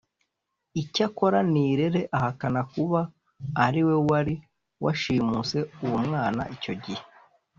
Icyakora Nirere ahakana kuba ari we wari washimuse uwo mwana icyo gihe